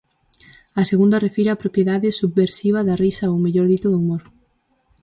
A segunda refire á propiedade subversiva da risa ou, mellor dito, do humor.